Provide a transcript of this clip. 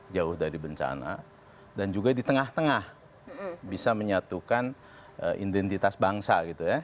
jauh dari bencana dan juga di tengah tengah bisa menyatukan identitas bangsa gitu ya